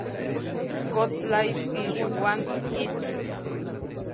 Got Live if You Want It!